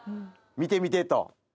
見て見てと。